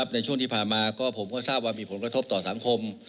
ในช่วงที่ผ่านมาก็ผมก็ทราบว่ามีผลกระทบต่อสังคม